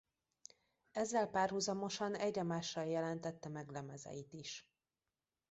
Ezzel párhuzamosan egyre-másra jelentette meg lemezeit is.